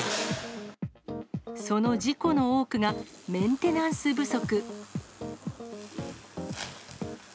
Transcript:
その事故の多くが、メンテナンス不足。